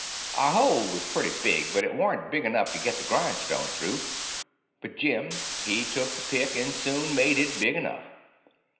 Our hole was pretty big, but it warn't big enough to get the grindstone through; but Jim he took the pick and soon made it big enough.